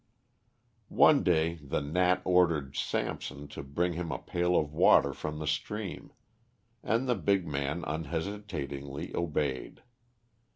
One day the gnat ordered Samson to bring him a pail of water from the stream, and the big man unhesitatingly obeyed.